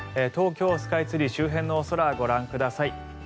東京スカイツリー周辺の空ご覧ください。